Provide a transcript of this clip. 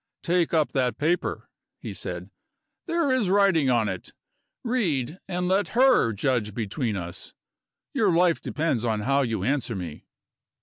"Take up that paper," he said. "There is writing on it. Read and let Her judge between us. Your life depends on how you answer me."